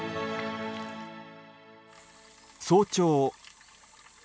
早朝。